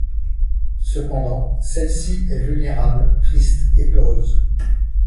Cependant, celle-ci est vulnérable, triste et peureuse.